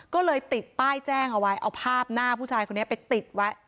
ก็เลยติดป้ายแจ้งเอาไว้เอาภาพหน้าผู้ชายคนนี้ไปติดไว้